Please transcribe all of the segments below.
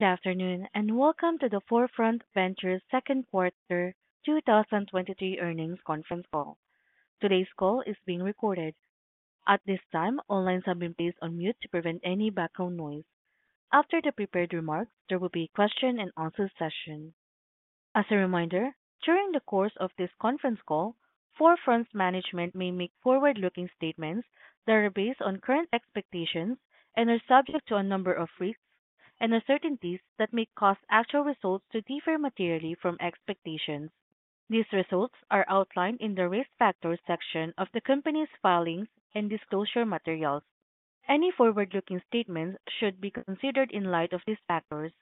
Good afternoon, welcome to the 4Front Ventures second quarter 2023 earnings conference call. Today's call is being recorded. At this time, all lines have been placed on mute to prevent any background noise. After the prepared remarks, there will be a question and answer session. As a reminder, during the course of this conference call, 4Front's management may make forward-looking statements that are based on current expectations and are subject to a number of risks and uncertainties that may cause actual results to differ materially from expectations. These results are outlined in the Risk Factors section of the company's filings and disclosure materials. Any forward-looking statements should be considered in light of these factors.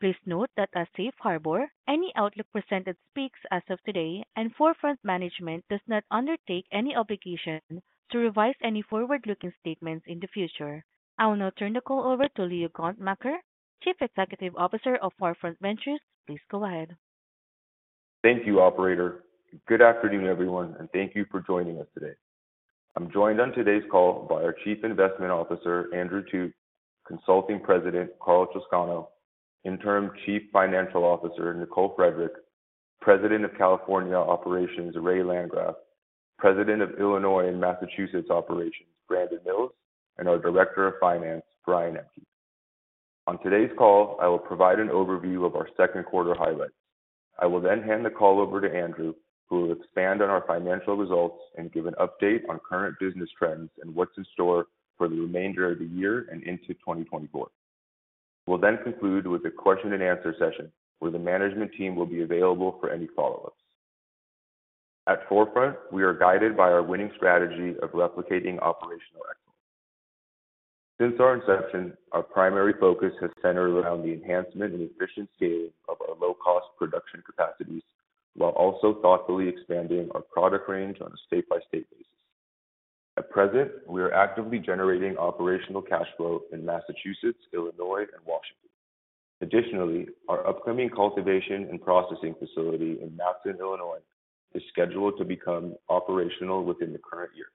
Please note that as Safe Harbor, any outlook presented speaks as of today. 4Front management does not undertake any obligation to revise any forward-looking statements in the future. I will now turn the call over to Leo Gontmakher, Chief Executive Officer of 4Front Ventures. Please go ahead. Thank you, operator. Good afternoon, everyone, thank you for joining us today. I'm joined on today's call by our Chief Investment Officer, Andrew Thut, Consulting President, Karl Chowscano, Interim Chief Financial Officer, Nicole Frederick, President of California Operations, Ray Landgraf, President of Illinois and Massachusetts Operations, Brandon Mills, and our Director of Finance, Brian Empey. On today's call, I will provide an overview of our second quarter highlights. I will hand the call over to Andrew, who will expand on our financial results and give an update on current business trends and what's in store for the remainder of the year and into 2024. We'll conclude with a question and answer session, where the management team will be available for any follow-ups. At 4Front, we are guided by our winning strategy of replicating operational excellence. Since our inception, our primary focus has centered around the enhancement and efficient scaling of our low-cost production capacities, while also thoughtfully expanding our product range on a state-by-state basis. At present, we are actively generating operational cash flow in Massachusetts, Illinois, and Washington. Our upcoming cultivation and processing facility in Matteson, Illinois, is scheduled to become operational within the current year.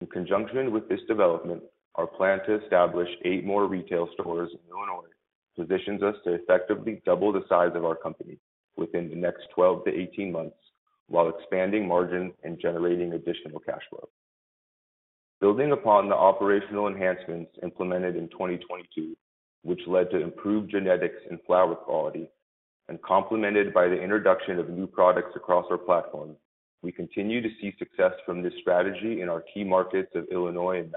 In conjunction with this development, our plan to establish eight more retail stores in Illinois positions us to effectively double the size of our company within the next 12-18 months, while expanding margin and generating additional cash flow. Building upon the operational enhancements implemented in 2022, which led to improved genetics and flower quality, and complemented by the introduction of new products across our platform, we continue to see success from this strategy in our key markets of Illinois and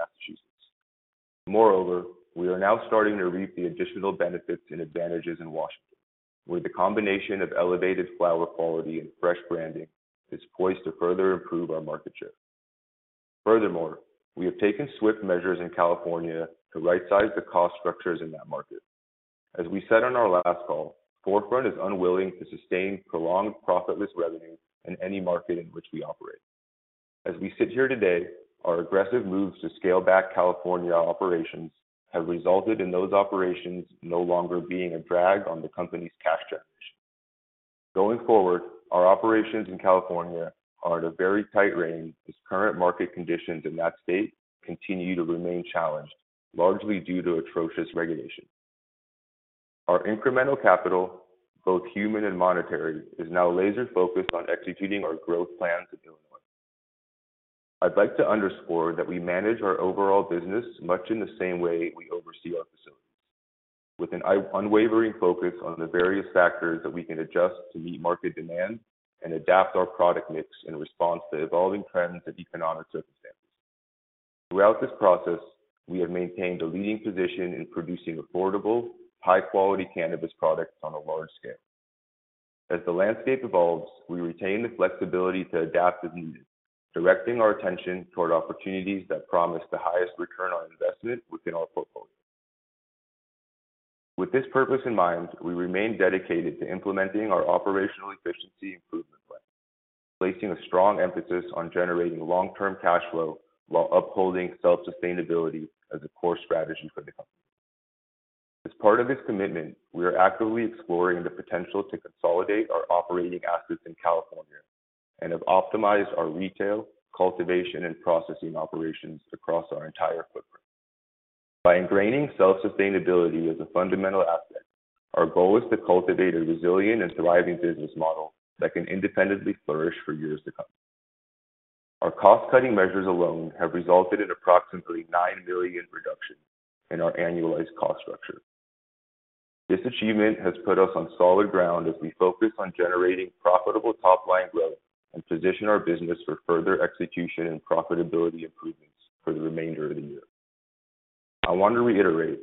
Massachusetts. Moreover, we are now starting to reap the additional benefits and advantages in Washington, where the combination of elevated flower quality and fresh branding is poised to further improve our market share. Furthermore, we have taken swift measures in California to rightsize the cost structures in that market. As we said on our last call, 4Front is unwilling to sustain prolonged profitless revenue in any market in which we operate. As we sit here today, our aggressive moves to scale back California operations have resulted in those operations no longer being a drag on the company's cash generation. Going forward, our operations in California are at a very tight rein, as current market conditions in that state continue to remain challenged, largely due to atrocious regulation. Our incremental capital, both human and monetary, is now laser-focused on executing our growth plans in Illinois. I'd like to underscore that we manage our overall business much in the same way we oversee our facilities, with an unwavering focus on the various factors that we can adjust to meet market demand and adapt our product mix in response to evolving trends and economic circumstances. Throughout this process, we have maintained a leading position in producing affordable, high-quality cannabis products on a large scale. As the landscape evolves, we retain the flexibility to adapt as needed, directing our attention toward opportunities that promise the highest return on investment within our portfolio. With this purpose in mind, we remain dedicated to implementing our operational efficiency improvement plan, placing a strong emphasis on generating long-term cash flow while upholding self-sustainability as a core strategy for the company. As part of this commitment, we are actively exploring the potential to consolidate our operating assets in California and have optimized our retail, cultivation, and processing operations across our entire footprint. By ingraining self-sustainability as a fundamental aspect, our goal is to cultivate a resilient and thriving business model that can independently flourish for years to come. Our cost-cutting measures alone have resulted in approximately $9 million reductions in our annualized cost structure. This achievement has put us on solid ground as we focus on generating profitable top-line growth and position our business for further execution and profitability improvements for the remainder of the year. I want to reiterate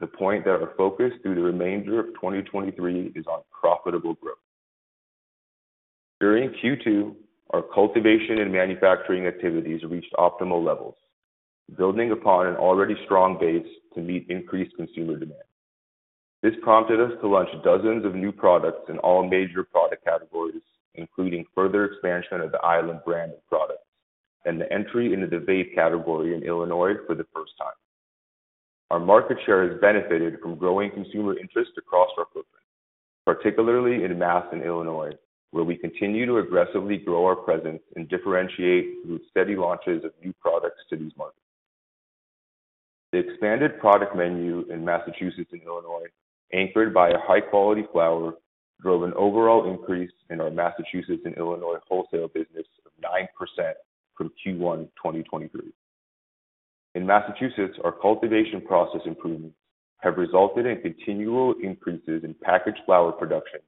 the point that our focus through the remainder of 2023 is on profitable growth. During Q2, our cultivation and manufacturing activities reached optimal levels, building upon an already strong base to meet increased consumer demand. This prompted us to launch dozens of new products in all major product categories, including further expansion of the Island brand of products and the entry into the vape category in Illinois for the first time. Our market share has benefited from growing consumer interest across our footprint, particularly in Massachusetts and Illinois, where we continue to aggressively grow our presence and differentiate through steady launches of new products to these markets. The expanded product menu in Massachusetts and Illinois, anchored by a high-quality flower, drove an overall increase in our Massachusetts and Illinois wholesale business of 9% from Q1 2023. In Massachusetts, our cultivation process improvements have resulted in continual increases in packaged flower production,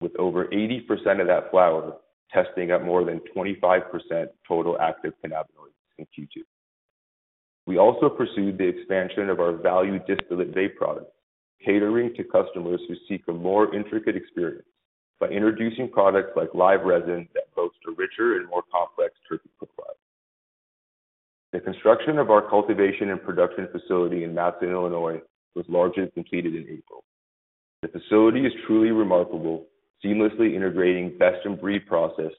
with over 80% of that flower testing at more than 25% total active cannabinoids in Q2. We also pursued the expansion of our value distillate vape products, catering to customers who seek a more intricate experience by introducing products like live resin that boasts a richer and more complex terpene profile. The construction of our cultivation and production facility in Matteson, Illinois, was largely completed in April. The facility is truly remarkable, seamlessly integrating best-of-breed process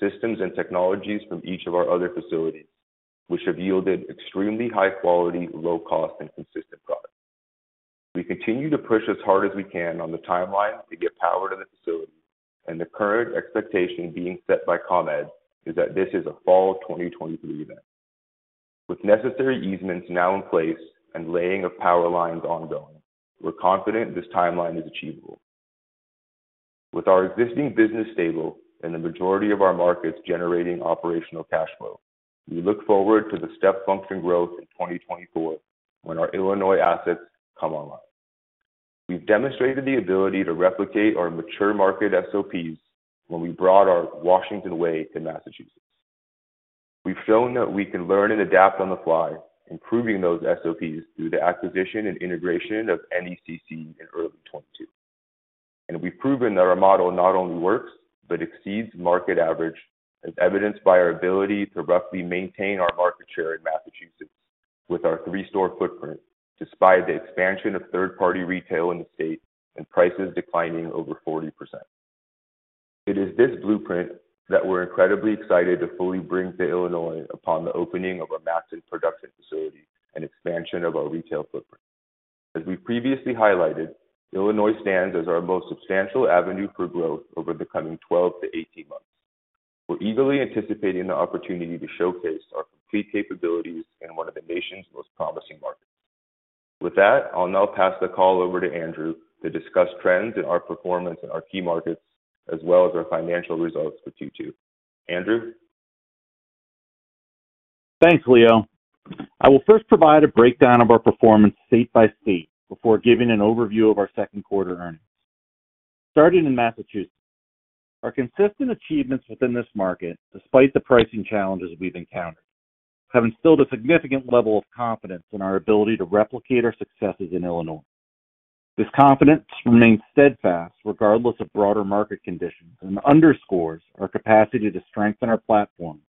systems and technologies from each of our other facilities, which have yielded extremely high quality, low cost, and consistent products. We continue to push as hard as we can on the timeline to get power to the facility, and the current expectation being set by ComEd is that this is a fall of 2023 event. With necessary easements now in place and laying of power lines ongoing, we're confident this timeline is achievable. With our existing business stable and the majority of our markets generating operational cash flow, we look forward to the step function growth in 2024 when our Illinois assets come online. We've demonstrated the ability to replicate our mature market SOPs when we brought our Washington way to Massachusetts. We've shown that we can learn and adapt on the fly, improving those SOPs through the acquisition and integration of NECC in early 2022. We've proven that our model not only works but exceeds market average, as evidenced by our ability to roughly maintain our market share in Massachusetts with our three-store footprint, despite the expansion of third-party retail in the state and prices declining over 40%. It is this blueprint that we're incredibly excited to fully bring to Illinois upon the opening of our Matteson production facility and expansion of our retail footprint. As we previously highlighted, Illinois stands as our most substantial avenue for growth over the coming 12 to 18 months. We're eagerly anticipating the opportunity to showcase our complete capabilities in one of the nation's most promising markets. With that, I'll now pass the call over to Andrew to discuss trends in our performance in our key markets, as well as our financial results for Q2. Andrew? Thanks, Leo. I will first provide a breakdown of our performance state by state before giving an overview of our second quarter earnings. Starting in Massachusetts, our consistent achievements within this market, despite the pricing challenges we've encountered, have instilled a significant level of confidence in our ability to replicate our successes in Illinois. This confidence remains steadfast regardless of broader market conditions and underscores our capacity to strengthen our platform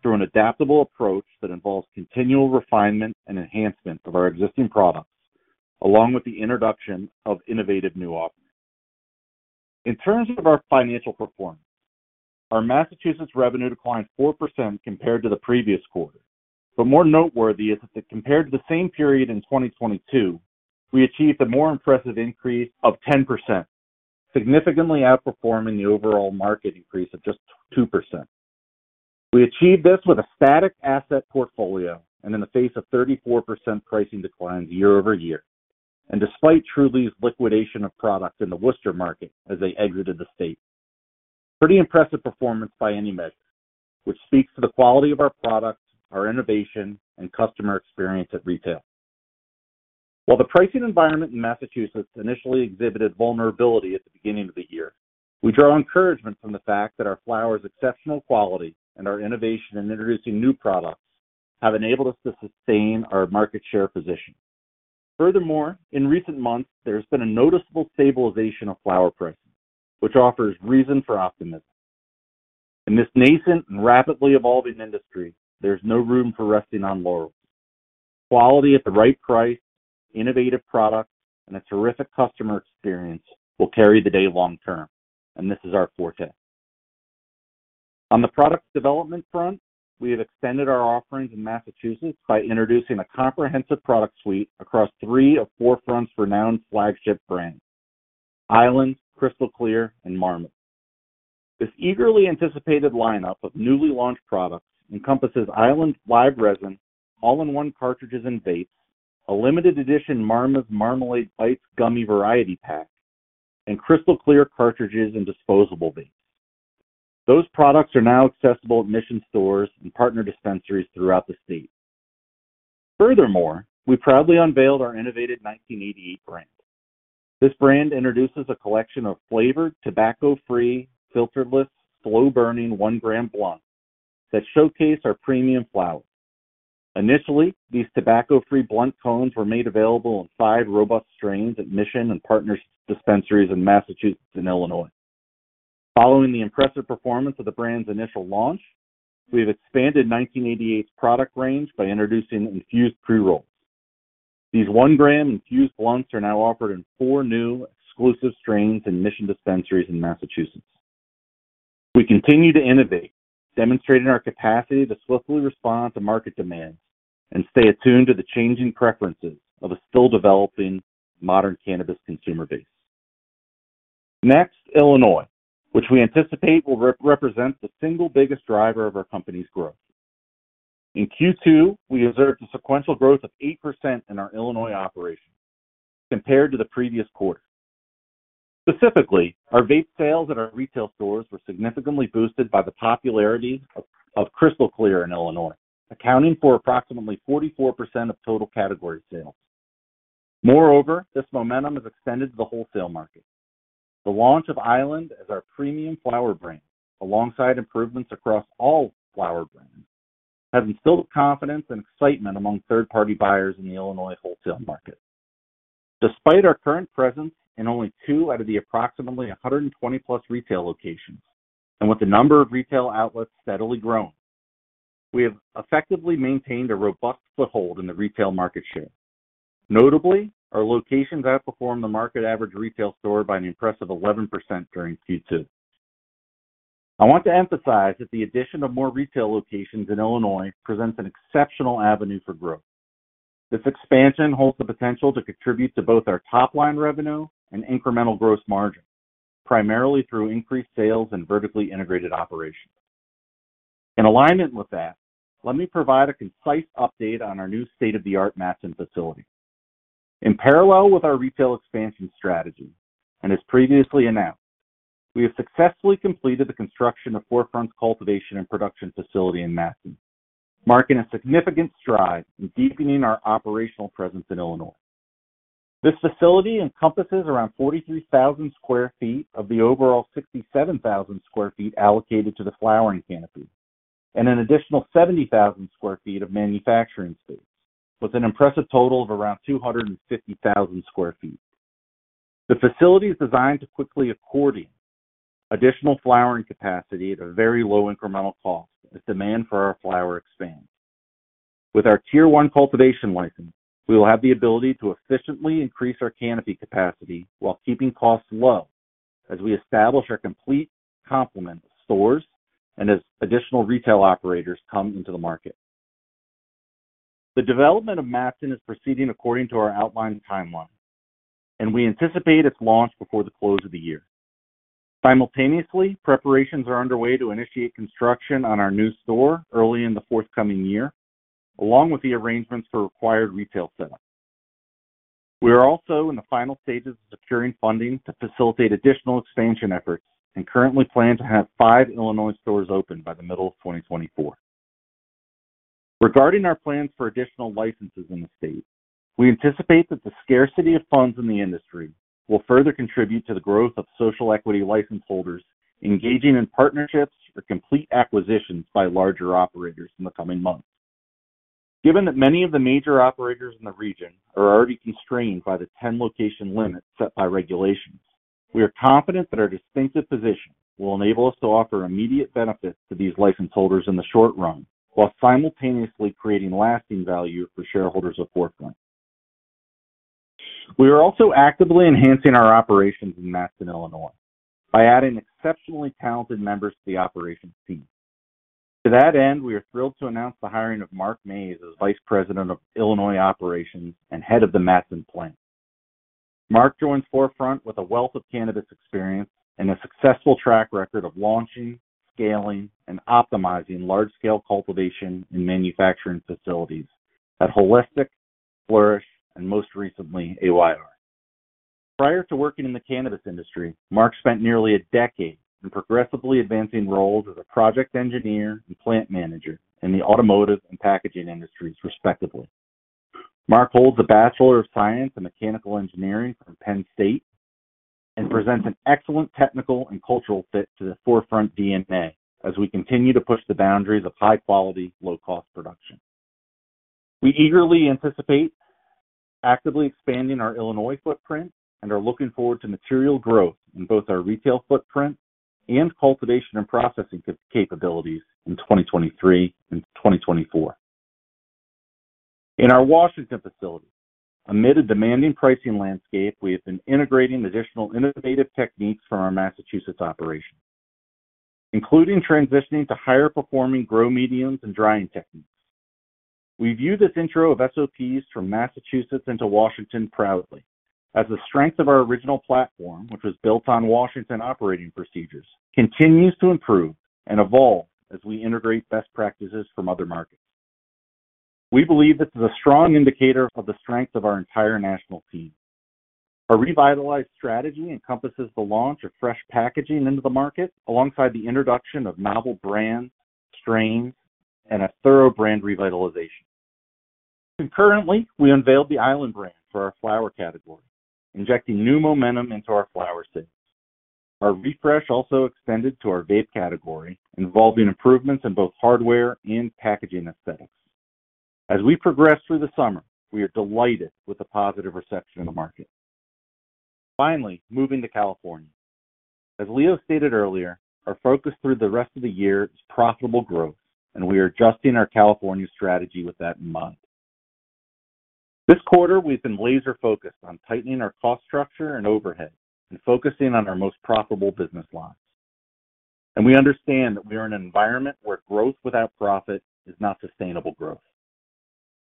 through an adaptable approach that involves continual refinement and enhancement of our existing products, along with the introduction of innovative new offerings. In terms of our financial performance, our Massachusetts revenue declined 4% compared to the previous quarter, more noteworthy is that compared to the same period in 2022, we achieved a more impressive increase of 10%, significantly outperforming the overall market increase of just 2%. We achieved this with a static asset portfolio and in the face of 34% pricing declines year-over-year, and despite Trulieve's liquidation of product in the Worcester market as they exited the state. Pretty impressive performance by any measure, which speaks to the quality of our products, our innovation, and customer experience at retail. While the pricing environment in Massachusetts initially exhibited vulnerability at the beginning of the year, we draw encouragement from the fact that our flower's exceptional quality and our innovation in introducing new products have enabled us to sustain our market share position. Furthermore, in recent months, there's been a noticeable stabilization of flower prices, which offers reason for optimism. In this nascent and rapidly evolving industry, there's no room for resting on laurels. Quality at the right price, innovative products, and a terrific customer experience will carry the day long term, and this is our forte. On the product development front, we have extended our offerings in Massachusetts by introducing a comprehensive product suite across 3 of 4Front's renowned flagship brands: Island, Crystal Clear, and Marmas. This eagerly anticipated lineup of newly launched products encompasses Island's live resin, all-in-one cartridges and vapes, a limited edition Marmas Marmalade Bites gummy variety pack, and Crystal Clear cartridges and disposable vapes. Those products are now accessible at Mission stores and partner dispensaries throughout the state. Furthermore, we proudly unveiled our innovative 1988 brand. This brand introduces a collection of flavored, tobacco-free, filterless, slow-burning 1-gram blunts that showcase our premium flowers. Initially, these tobacco-free blunt cones were made available in 5 robust strains at Mission and partner dispensaries in Massachusetts and Illinois. Following the impressive performance of the brand's initial launch, we have expanded 1988's product range by introducing infused pre-rolls. These 1-gram infused blunts are now offered in four new exclusive strains in Mission dispensaries in Massachusetts. We continue to innovate, demonstrating our capacity to swiftly respond to market demands and stay attuned to the changing preferences of a still-developing modern cannabis consumer base. Next, Illinois, which we anticipate will represent the single biggest driver of our company's growth. In Q2, we observed a sequential growth of 8% in our Illinois operations compared to the previous quarter. Specifically, our vape sales at our retail stores were significantly boosted by the popularity of Crystal Clear in Illinois, accounting for approximately 44% of total category sales. Moreover, this momentum has extended to the wholesale market. The launch of Island as our premium flower brand, alongside improvements across all flower brands, has instilled confidence and excitement among third-party buyers in the Illinois wholesale market. Despite our current presence in only two out of the approximately 120+ retail locations, and with the number of retail outlets steadily growing, we have effectively maintained a robust foothold in the retail market share. Notably, our locations outperformed the market average retail store by an impressive 11% during Q2. I want to emphasize that the addition of more retail locations in Illinois presents an exceptional avenue for growth. This expansion holds the potential to contribute to both our top-line revenue and incremental gross margin, primarily through increased sales and vertically integrated operations. In alignment with that, let me provide a concise update on our new state-of-the-art Matteson facility. In parallel with our retail expansion strategy, and as previously announced, we have successfully completed the construction of 4Front's cultivation and production facility in Matteson, marking a significant stride in deepening our operational presence in Illinois. This facility encompasses around 43,000 sq ft of the overall 67,000 sq ft allocated to the flowering canopy, and an additional 70,000 sq ft of manufacturing space, with an impressive total of around 250,000 sq ft. The facility is designed to quickly according additional flowering capacity at a very low incremental cost as demand for our flower expands. With our Tier 1 cultivation license, we will have the ability to efficiently increase our canopy capacity while keeping costs low as we establish our complete complement of stores and as additional retail operators come into the market. The development of Matteson is proceeding according to our outlined timeline, and we anticipate its launch before the close of the year. Simultaneously, preparations are underway to initiate construction on our new store early in the forthcoming year, along with the arrangements for required retail setup. We are also in the final stages of securing funding to facilitate additional expansion efforts, and currently plan to have 5 Illinois stores open by the middle of 2024. Regarding our plans for additional licenses in the state, we anticipate that the scarcity of funds in the industry will further contribute to the growth of social equity license holders engaging in partnerships or complete acquisitions by larger operators in the coming months. Given that many of the major operators in the region are already constrained by the 10-location limit set by regulations, we are confident that our distinctive position will enable us to offer immediate benefits to these license holders in the short run, while simultaneously creating lasting value for shareholders of 4Front. We are also actively enhancing our operations in Matteson, Illinois, by adding exceptionally talented members to the operations team. To that end, we are thrilled to announce the hiring of Mark Mays as Vice President of Illinois Operations and Head of the Matteson plant. Mark joins 4Front with a wealth of cannabis experience and a successful track record of launching, scaling, and optimizing large-scale cultivation and manufacturing facilities at Holistic, Flourish, and most recently, Ayr. Prior to working in the cannabis industry, Mark spent nearly a decade in progressively advancing roles as a project engineer and plant manager in the automotive and packaging industries, respectively. Mark holds a Bachelor of Science in Mechanical Engineering from Penn State and presents an excellent technical and cultural fit to the 4Front DNA as we continue to push the boundaries of high-quality, low-cost production. We eagerly anticipate actively expanding our Illinois footprint and are looking forward to material growth in both our retail footprint and cultivation and processing capabilities in 2023 and 2024. In our Washington facility, amid a demanding pricing landscape, we have been integrating additional innovative techniques from our Massachusetts operations, including transitioning to higher-performing grow mediums and drying techniques. We view this intro of SOPs from Massachusetts into Washington proudly as the strength of our original platform, which was built on Washington operating procedures, continues to improve and evolve as we integrate best practices from other markets. We believe this is a strong indicator of the strength of our entire national team. Our revitalized strategy encompasses the launch of fresh packaging into the market, alongside the introduction of novel brands, strains, and a thorough brand revitalization. Concurrently, we unveiled the Island brand for our flower category, injecting new momentum into our flower sales. Our refresh also extended to our vape category, involving improvements in both hardware and packaging aesthetics. As we progress through the summer, we are delighted with the positive reception in the market. Finally, moving to California. As Leo stated earlier, our focus through the rest of the year is profitable growth, and we are adjusting our California strategy with that in mind. This quarter, we've been laser-focused on tightening our cost structure and overhead and focusing on our most profitable business lines. We understand that we are in an environment where growth without profit is not sustainable growth.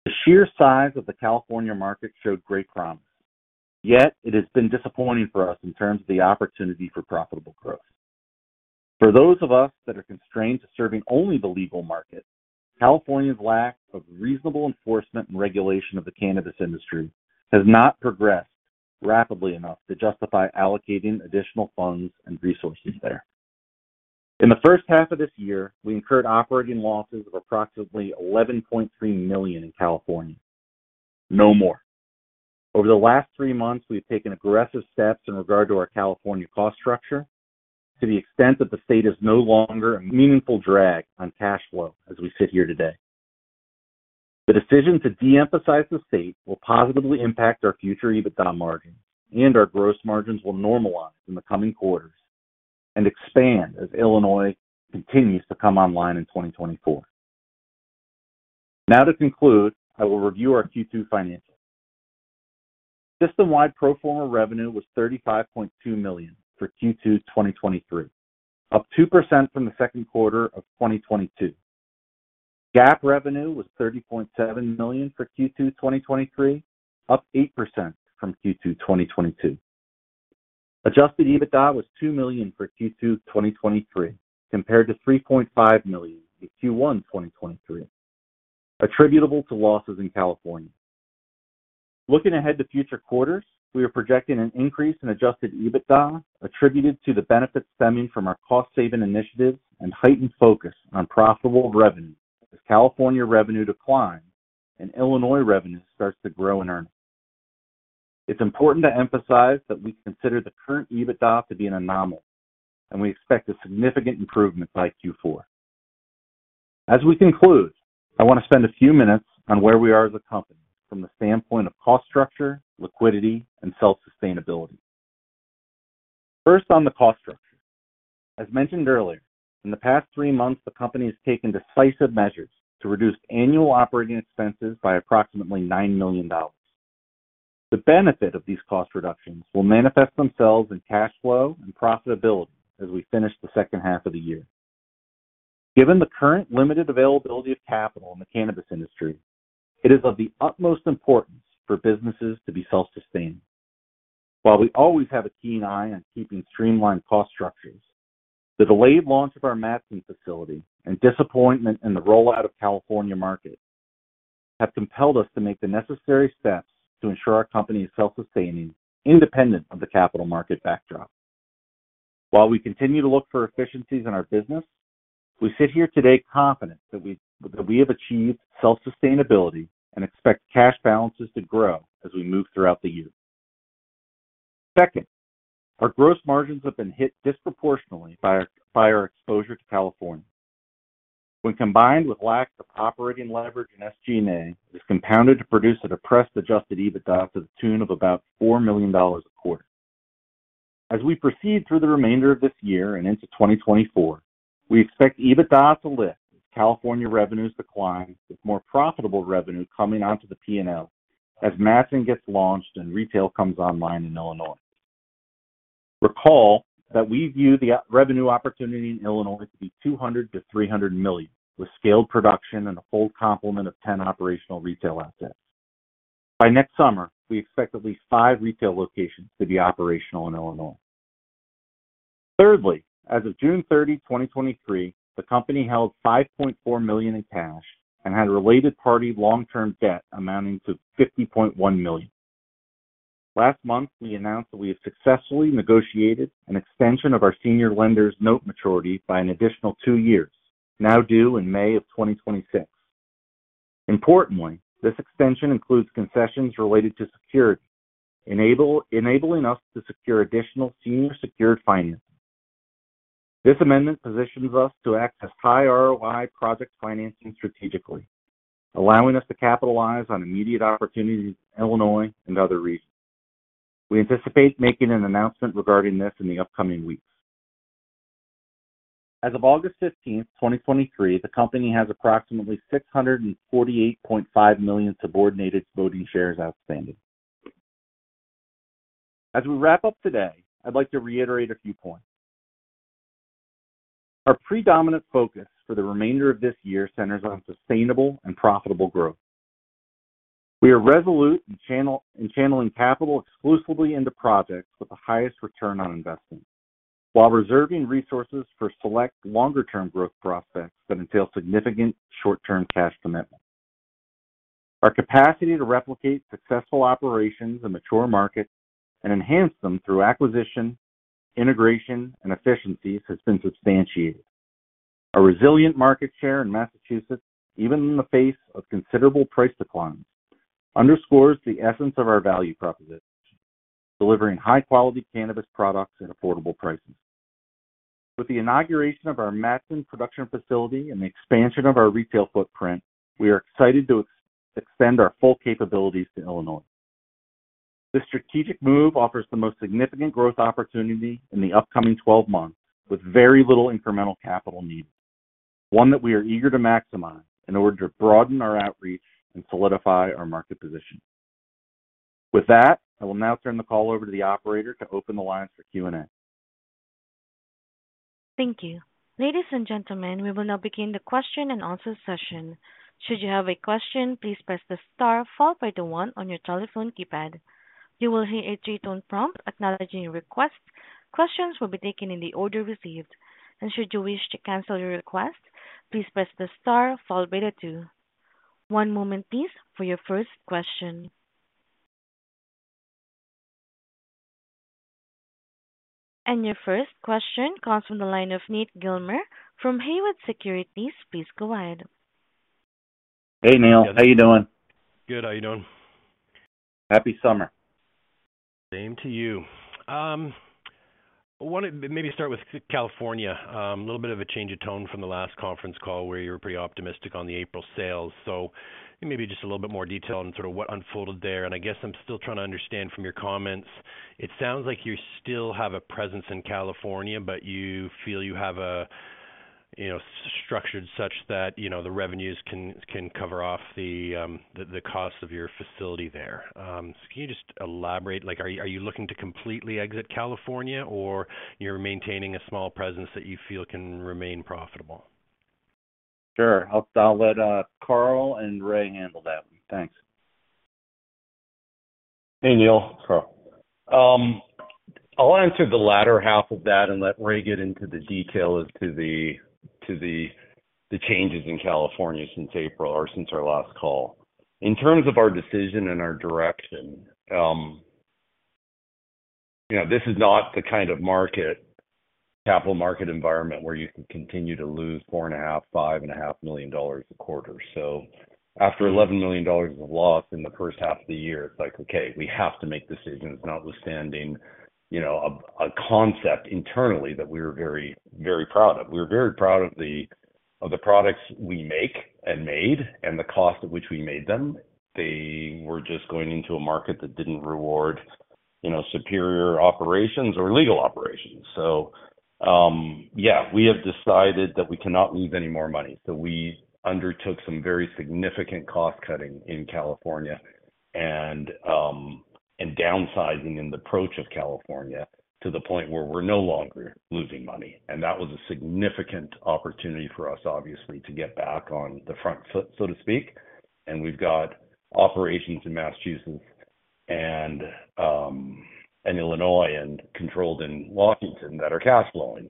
The sheer size of the California market showed great promise, yet it has been disappointing for us in terms of the opportunity for profitable growth. For those of us that are constrained to serving only the legal market, California's lack of reasonable enforcement and regulation of the cannabis industry has not progressed rapidly enough to justify allocating additional funds and resources there. In the first half of this year, we incurred operating losses of approximately $11.3 million in California. No more. Over the last 3 months, we've taken aggressive steps in regard to our California cost structure to the extent that the state is no longer a meaningful drag on cash flow as we sit here today. The decision to de-emphasize the state will positively impact our future EBITDA margins, and our gross margins will normalize in the coming quarters and expand as Illinois continues to come online in 2024. To conclude, I will review our Q2 financials. System-wide pro forma revenue was $35.2 million for Q2 2023, up 2% from the second quarter of 2022. GAAP revenue was $30.7 million for Q2 2023, up 8% from Q2 2022. Adjusted EBITDA was $2 million for Q2 2023, compared to $3.5 million in Q1 2023, attributable to losses in California. Looking ahead to future quarters, we are projecting an increase in Adjusted EBITDA, attributed to the benefits stemming from our cost-saving initiatives and heightened focus on profitable revenue as California revenue declines and Illinois revenue starts to grow in earnings. It's important to emphasize that we consider the current EBITDA to be an anomaly, and we expect a significant improvement by Q4. We conclude, I want to spend a few minutes on where we are as a company from the standpoint of cost structure, liquidity, and self-sustainability. First, on the cost structure. Mentioned earlier, in the past three months, the company has taken decisive measures to reduce annual operating expenses by approximately $9 million. The benefit of these cost reductions will manifest themselves in cash flow and profitability as we finish the second half of the year. Given the current limited availability of capital in the cannabis industry, it is of the utmost importance for businesses to be self-sustaining. While we always have a keen eye on keeping streamlined cost structures, the delayed launch of our Matteson facility and disappointment in the rollout of California market have compelled us to make the necessary steps to ensure our company is self-sustaining, independent of the capital market backdrop. While we continue to look for efficiencies in our business, we sit here today confident that we have achieved self-sustainability and expect cash balances to grow as we move throughout the year. Second, our gross margins have been hit disproportionately by our exposure to California. When combined with lack of operating leverage in SG&A, it is compounded to produce a depressed Adjusted EBITDA to the tune of about $4 million a quarter. As we proceed through the remainder of this year and into 2024, we expect EBITDA to lift as California revenues decline, with more profitable revenue coming onto the P&L as Matteson gets launched and retail comes online in Illinois. Recall that we view the revenue opportunity in Illinois to be $200 million-$300 million, with scaled production and a full complement of 10 operational retail assets. By next summer, we expect at least 5 retail locations to be operational in Illinois. Thirdly, as of June 30, 2023, the company held $5.4 million in cash and had related party long-term debt amounting to $50.1 million. Last month, we announced that we have successfully negotiated an extension of our senior lenders note maturity by an additional 2 years, now due in May 2026. Importantly, this extension includes concessions related to security, enabling us to secure additional senior secured financing. This amendment positions us to access high ROI project financing strategically, allowing us to capitalize on immediate opportunities in Illinois and other regions. We anticipate making an announcement regarding this in the upcoming weeks. As of August 15th, 2023, the company has approximately 648.5 million subordinate voting shares outstanding. As we wrap up today, I'd like to reiterate a few points. Our predominant focus for the remainder of this year centers on sustainable and profitable growth. We are resolute in channeling capital exclusively into projects with the highest return on investment, while reserving resources for select longer-term growth prospects that entail significant short-term cash commitments. Our capacity to replicate successful operations in mature markets and enhance them through acquisition, integration, and efficiencies has been substantiated. Our resilient market share in Massachusetts, even in the face of considerable price declines, underscores the essence of our value proposition, delivering high-quality cannabis products at affordable pricing. With the inauguration of our Matteson production facility and the expansion of our retail footprint, we are excited to extend our full capabilities to Illinois. This strategic move offers the most significant growth opportunity in the upcoming 12 months, with very little incremental capital needs, one that we are eager to maximize in order to broaden our outreach and solidify our market position. With that, I will now turn the call over to the operator to open the lines for Q&A. Thank you. Ladies and gentlemen, we will now begin the question and answer session. Should you have a question, please press the star followed by the one on your telephone keypad. You will hear a three-tone prompt acknowledging your request. Questions will be taken in the order received, should you wish to cancel your request, please press the star followed by the two. One moment please, for your first question. Your first question comes from the line of Neal Gilmer from Haywood Securities. Please go ahead. Hey, Nate. How you doing? Good. How you doing? Happy summer. Same to you. I wanted to maybe start with California. A little bit of a change of tone from the last conference call, where you were pretty optimistic on the April sales. Maybe just a little bit more detail on sort of what unfolded there. I guess I'm still trying to understand from your comments, it sounds like you still have a presence in California, but you feel you have a, you know, structured such that, you know, the revenues can, can cover off the costs of your facility there. Can you just elaborate? Like, are you, are you looking to completely exit California or you're maintaining a small presence that you feel can remain profitable? Sure. I'll, I'll let Karl and Ray handle that one. Thanks. Hey, Neal. Karl. I'll answer the latter half of that and let Ray get into the detail as to the, to the, the changes in California since April or since our last call. In terms of our decision and our direction, you know, this is not the kind of market, capital market environment where you can continue to lose $4.5 million-$5.5 million a quarter. After $11 million of loss in the first half of the year, it's like, okay, we have to make decisions, notwithstanding, you know, a, a concept internally that we were very, very proud of. We're very proud of the, of the products we make and made and the cost at which we made them. They were just going into a market that didn't reward, you know, superior operations or legal operations. We have decided that we cannot lose any more money. We undertook some very significant cost cutting in California and downsizing in the approach of California to the point where we're no longer losing money. That was a significant opportunity for us, obviously, to get back on the front foot, so to speak. We've got operations in Massachusetts and Illinois and controlled in Washington that are cash flowing.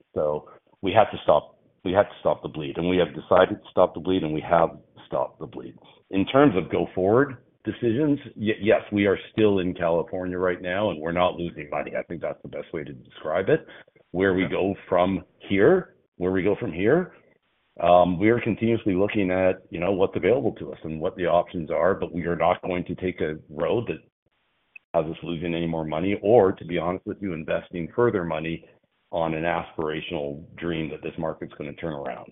We had to stop, we had to stop the bleed, and we have decided to stop the bleed, and we have stopped the bleed. In terms of go-forward decisions, yes, we are still in California right now, and we're not losing money. I think that's the best way to describe it. Where we go from here? Where we go from here, we are continuously looking at, you know, what's available to us and what the options are. We are not going to take a road that has us losing any more money, or, to be honest with you, investing further money on an aspirational dream that this market's going to turn around.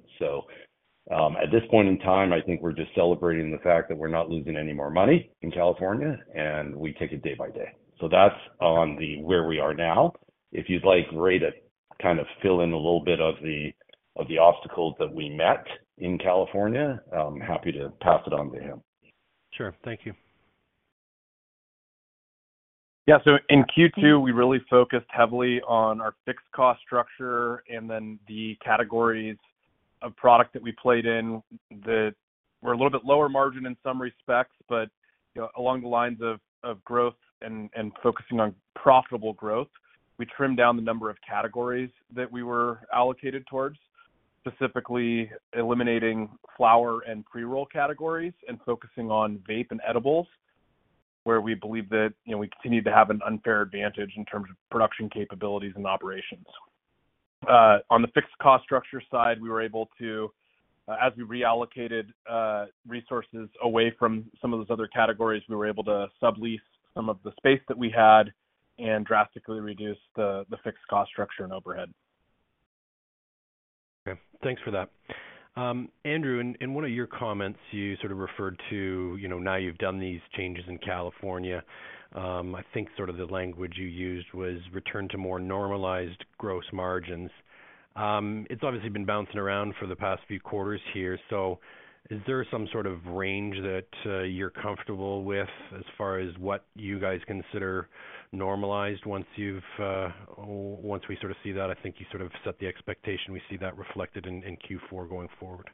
At this point in time, I think we're just celebrating the fact that we're not losing any more money in California, and we take it day by day. That's on the where we are now. If you'd like Ray to kind of fill in a little bit of the, of the obstacles that we met in California, I'm happy to pass it on to him. Sure. Thank you. In Q2, we really focused heavily on our fixed cost structure and then the categories of product that we played in that were a little bit lower margin in some respects, but, you know, along the lines of, of growth and, and focusing on profitable growth, we trimmed down the number of categories that we were allocated towards, specifically eliminating flower and pre-roll categories and focusing on vape and edibles, where we believe that, you know, we continue to have an unfair advantage in terms of production capabilities and operations. On the fixed cost structure side, we were able to, as we reallocated resources away from some of those other categories, we were able to sublease some of the space that we had and drastically reduce the fixed cost structure and overhead. Okay, thanks for that. Andrew, in, in one of your comments, you sort of referred to, you know, now you've done these changes in California. I think sort of the language you used was return to more normalized gross margins. It's obviously been bouncing around for the past few quarters here. Is there some sort of range that you're comfortable with as far as what you guys consider normalized? Once you've, o-- once we sort of see that, I think you sort of set the expectation, we see that reflected in, in Q4 going forward.,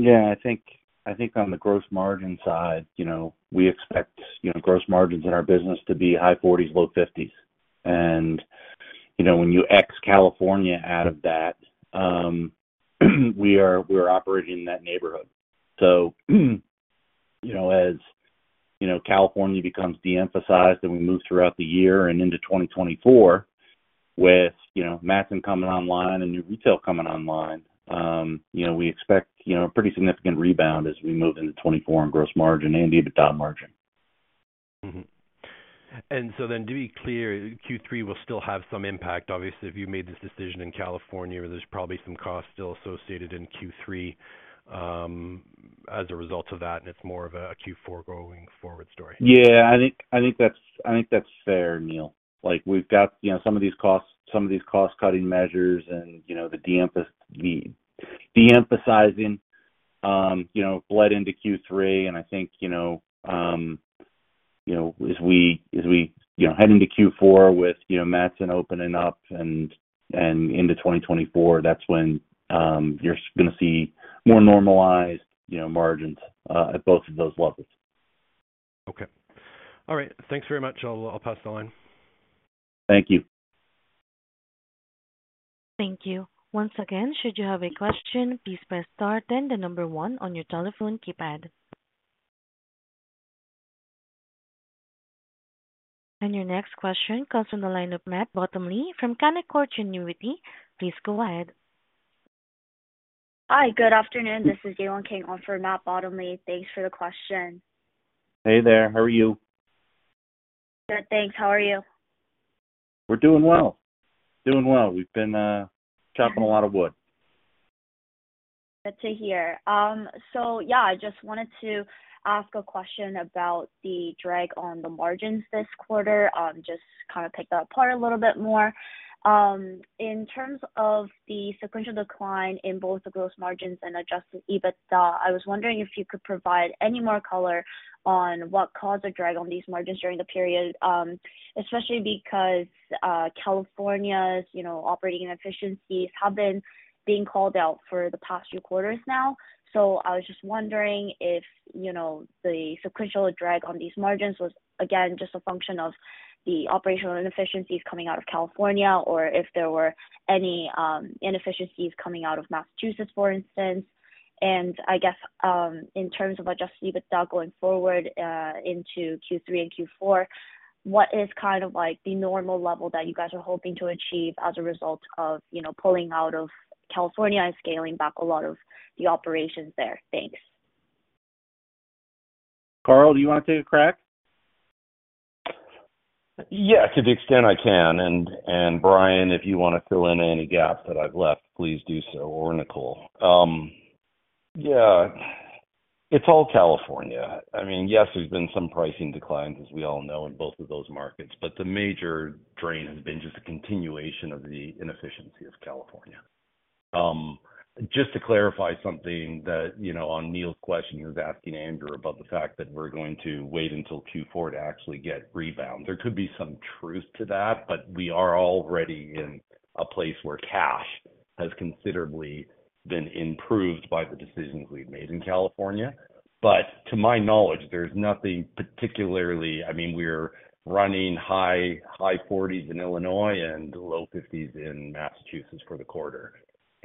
I think, I think on the gross margin side, you know, we expect, you know, gross margins in our business to be high forties, low fifties. You know, when you X California out of that, we are, we are operating in that neighborhood. You know, as you know, California becomes de-emphasized and we move throughout the year and into 2024 with, you know, Matteson coming online and new retail coming online, you know, we expect, you know, a pretty significant rebound as we move into 2024 in gross margin and EBITDA margin.. To be clear, Q3 will still have some impact. Obviously, if you made this decision in California, there's probably some costs still associated in Q3 as a result of that, and it's more of a Q4 going forward story., I think, I think that's, I think that's fair, Neal. Like, we've got, you know, some of these costs, some of these cost-cutting measures and, you know, the de-emphasizing, you know, bled into Q3. I think, you know, you know, as we, as we, you know, head into Q4 with, you know, Matteson opening up and, and into 2024, that's when, you're gonna see more normalized, you know, margins, at both of those levels. Okay. All right. Thanks very much. I'll, I'll pass the line. Thank you. Thank you. Once again, should you have a question, please press Star, then the number 1 on your telephone keypad. Your next question comes from the line of Matt Bottomley from Canaccord Genuity. Please go ahead. Hi, good afternoon. This is Yewon Kang on for Matt Bottomley. Thanks for the question. Hey there. How are you? Good, thanks. How are you? We're doing well. Doing well. We've been chopping a lot of wood. Good to hear., I just wanted to ask a question about the drag on the margins this quarter, just to kind of pick that apart a little bit more. In terms of the sequential decline in both the gross margins and Adjusted EBITDA, I was wondering if you could provide any more color on what caused the drag on these margins during the period, especially because California's, you know, operating inefficiencies have been being called out for the past few quarters now. I was just wondering if, you know, the sequential drag on these margins was, again, just a function of the operational inefficiencies coming out of California, or if there were any inefficiencies coming out of Massachusetts, for instance. I guess, in terms of Adjusted EBITDA going forward, into Q3 and Q4, what is kind of like the normal level that you guys are hoping to achieve as a result of, you know, pulling out of California and scaling back a lot of the operations there? Thanks. Karl, do you want to take a crack?, to the extent I can, and Brian, if you want to fill in any gaps that I've left, please do so, or Nicole. , it's all California. I mean, yes, there's been some pricing declines, as we all know, in both of those markets, the major drain has been just a continuation of the inefficiency of California. Just to clarify something that, you know, on Neal's question, he was asking Andrew about the fact that we're going to wait until Q4 to actually get rebound. There could be some truth to that. We are already in a place where cash has considerably been improved by the decisions we've made in California. To my knowledge, there's nothing particularly... I mean, we're running high, high 40s in Illinois and low 50s in Massachusetts for the quarter.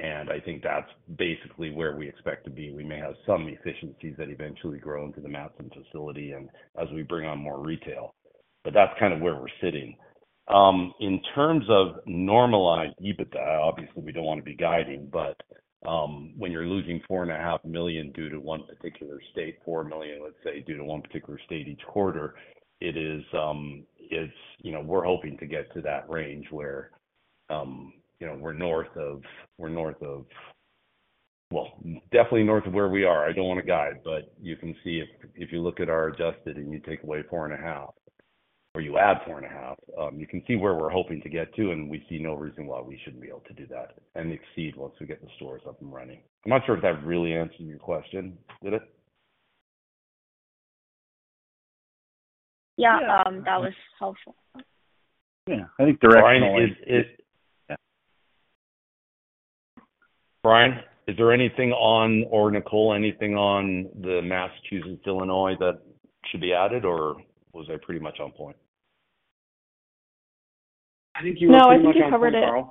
I think that's basically where we expect to be. We may have some efficiencies that eventually grow into the Matteson facility and as we bring on more retail. That's kind of where we're sitting. In terms of normalized EBITDA, obviously, we don't want to be guiding. When you're losing $4.5 million due to one particular state, $4 million, let's say, due to one particular state each quarter, it is, it's, you know, we're hoping to get to that range where, you know, we're north of, we're north of... Well, definitely north of where we are. I don't want to guide, but you can see if, if you look at our adjusted and you take away $4.5 million, or you add $4.5 million, you can see where we're hoping to get to, and we see no reason why we shouldn't be able to do that and exceed once we get the stores up and running. I'm not sure if that really answered your question. Did it?, that was helpful., I think directionally. Brian, is there anything on, or Nicole, anything on the Massachusetts, Illinois, that should be added, or was I pretty much on point? I think you were pretty much on point, Karl. No, I think you covered it.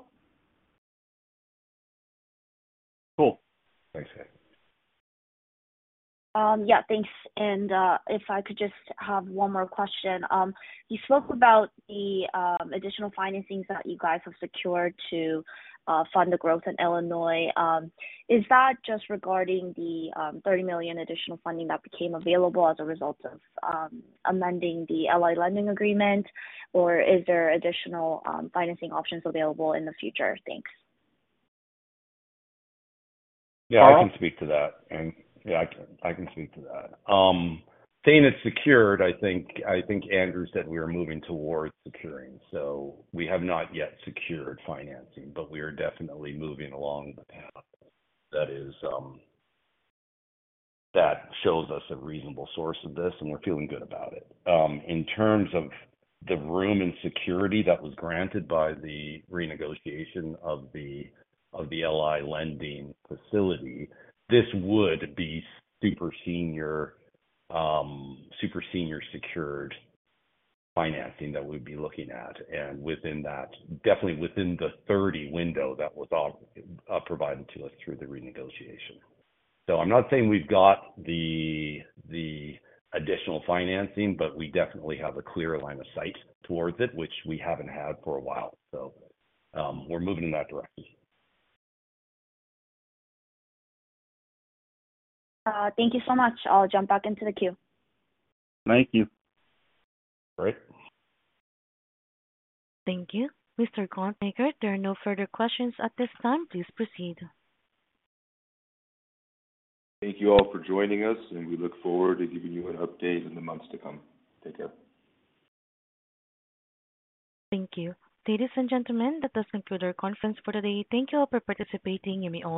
Cool. Thanks, guys., thanks. If I could just have one more question. You spoke about the additional financings that you guys have secured to fund the growth in Illinois. Is that just regarding the $30 million additional funding that became available as a result of amending the LI Lending agreement, or is there additional financing options available in the future? Thanks., I can speak to that., I can, I can speak to that. Saying it's secured, I think, I think Andrew said we are moving towards securing, so we have not yet secured financing, but we are definitely moving along the path that is, that shows us a reasonable source of this, and we're feeling good about it. In terms of the room and security that was granted by the renegotiation of the LI Lending facility, this would be super senior, super senior secured financing that we'd be looking at, and within that, definitely within the 30 window that was provided to us through the renegotiation. I'm not saying we've got the, the additional financing, but we definitely have a clear line of sight towards it, which we haven't had for a while. We're moving in that direction. Thank you so much. I'll jump back into the queue. Thank you. Great. Thank you. Mr. Gontmakher, there are no further questions at this time. Please proceed. Thank you all for joining us, and we look forward to giving you an update in the months to come. Take care. Thank you. Ladies and gentlemen, that does conclude our conference for today. Thank you all for participating. You may all disconnect.